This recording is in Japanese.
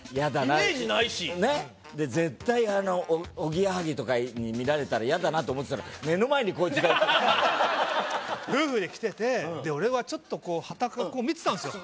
ないし絶対あのおぎやはぎとかに見られたらイヤだなと思ってたら夫婦で来ててで俺はちょっとこうはたから見てたんですよ